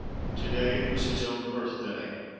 To day was his own birthday.